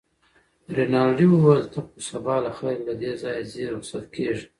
رینالډي وویل: ته خو سبا له خیره له دې ځایه ځې، رخصت کېږې.